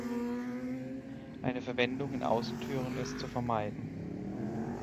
Eine Verwendung in Außentüren ist zu vermeiden.